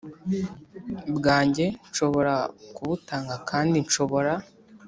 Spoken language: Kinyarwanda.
bwanjye Nshobora kubutanga kandi nshobora